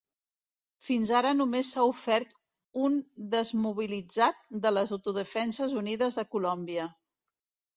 Fins ara només s'ha ofert un desmobilitzat de les Autodefenses Unides de Colòmbia.